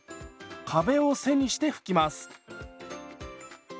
壁を背にして拭きます。